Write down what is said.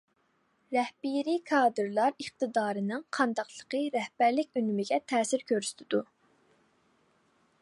رەھبىرىي كادىرلار ئىقتىدارىنىڭ قانداقلىقى رەھبەرلىك ئۈنۈمىگە تەسىر كۆرسىتىدۇ.